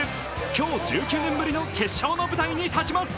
今日１９年ぶりの決勝の舞台に立ちます。